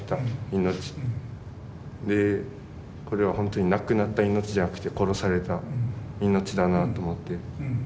これは本当になくなった命じゃなくて殺された命だなあと思って。